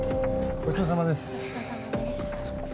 ごちそうさまです。